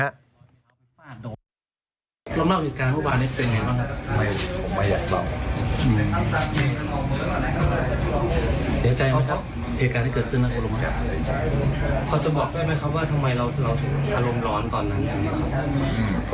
เขาจะบอกได้ไหมครับว่าทำไมเราถึงอารมณ์ร้อนตอนนั้นอย่างนี้ครับ